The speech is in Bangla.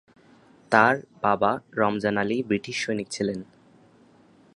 তার বাবা রমজান আলী ব্রিটিশ সৈনিক ছিলেন।